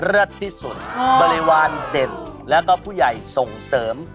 ที่สุดบริวารเด่นแล้วก็ผู้ใหญ่ส่งเสริม